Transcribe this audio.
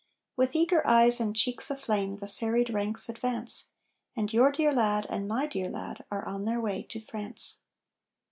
With eager eyes and cheeks aflame the serried ranks advance; And your dear lad, and my dear lad, are on their way to France.